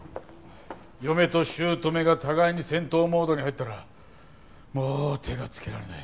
嫁と姑が互いに戦闘モードに入ったらもう手がつけられない。